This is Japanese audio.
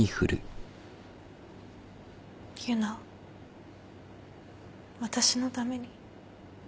佑奈私のために。